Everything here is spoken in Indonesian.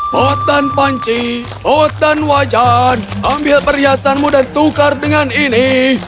potan panci potan wajan ambil perhiasanmu dan tukar dengan ini